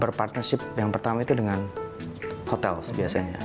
berpartnership yang pertama itu dengan hotel biasanya